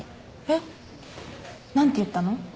えっ何て言ったの？